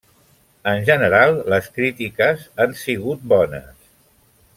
En general, les crítiques han sigut bones.